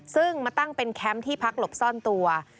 ซึ่งมาตั้งเป็นแคมป์ที่พักหลบซ่อนตัว